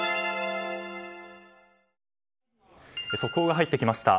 速報が入ってきました。